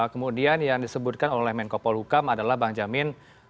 kemudian yang disebutkan oleh menko polhukam adalah bang jamin